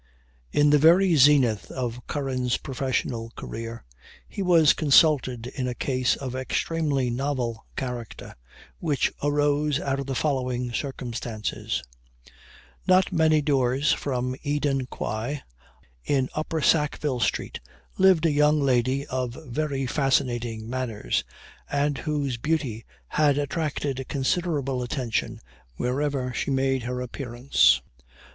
In the very zenith of Curran's professional career, he was consulted in a case of extremely novel character, which arose out of the following circumstances: Not many doors from Eden Quay, in Upper Sackville street, lived a young lady of very fascinating manners, and whose beauty had attracted considerable attention wherever she made her appearance.